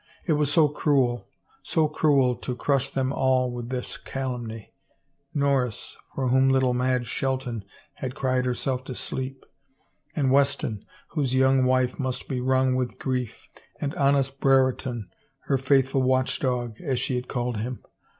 It was so cruel, so cruel to crush them all with this calumny — Norris, for whom little Madge Shel ton had cried herself to sleep, and Weston, whose young wife must be wrung with grief, and honest Brereton, her " faithful watch dog,'' as she had called him.